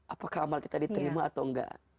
apakah amal kita diterima atau enggak